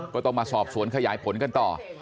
ก็ต้องมาสอบสวนขยายผลกันต่อ